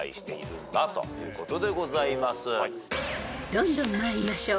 ［どんどん参りましょう］